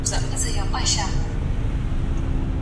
چا غوښتل چي د ام هاني پناه اخیستونکی قتل کړي؟